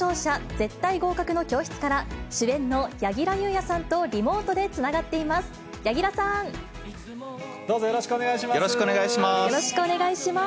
絶対合格の教室ーから、主演の柳楽優弥さんとリモーどうぞよろしくお願いします。